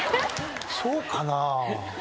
そうかなぁ。